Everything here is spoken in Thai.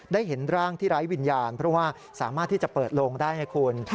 เห็นร่างที่ไร้วิญญาณเพราะว่าสามารถที่จะเปิดโลงได้ไงคุณ